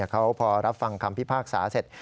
เขาพอรับฟังคำพิพากษาเสร็จ